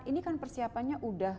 ini kan persiapannya sudah